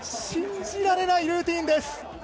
信じられないルーティンです。